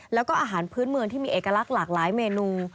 แล้วก็อาหารพื้นเมืองที่มีเอกลักษณ์หลากหลายเมนู